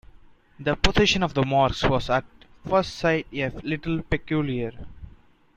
The position of the marks was at first sight a little peculiar.